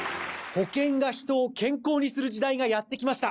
保険が人を健康にする時代がやってきました！